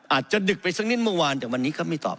ดึกไปสักนิดเมื่อวานแต่วันนี้ก็ไม่ตอบ